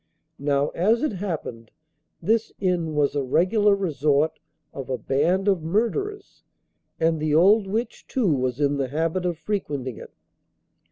Now, as it happened, this inn was a regular resort of a band of murderers, and the old witch too was in the habit of frequenting it.